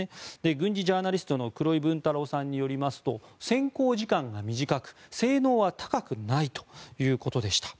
軍事ジャーナリストの黒井文太郎さんによりますと潜航時間が短く、性能は高くないということでした。